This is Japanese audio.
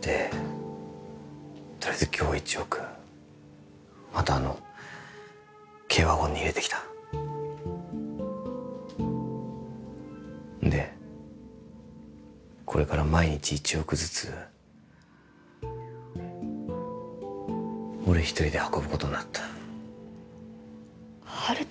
でとりあえず今日１億またあの軽ワゴンに入れてきたでこれから毎日１億ずつ俺一人で運ぶことになった温人